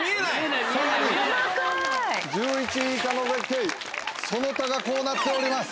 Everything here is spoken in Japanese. １１位以下の絶景その他がこうなっております。